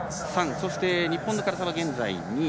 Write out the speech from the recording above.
そして日本の唐澤は現在２位。